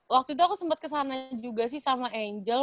waktu itu aku sempet kesana juga sih sama angel